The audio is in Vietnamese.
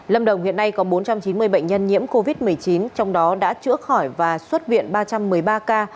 lâm đồng hiện nay có bốn trăm chín mươi bệnh nhân nhiễm covid một mươi chín trong đó đã chữa khỏi và xuất viện ba trăm một mươi ba ca